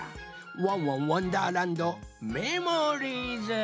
「ワンワンわんだーらんどメモリーズ」。